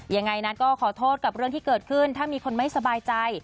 ยังไงนัทก็ขอโทษกับเรื่องที่เกิดขึ้นถ้ามีคนไม่สบายใจ